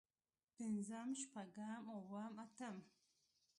پنځم شپږم اووم اتم